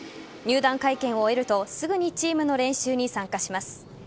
入団会見を終えるとすぐにチームの練習に参加します。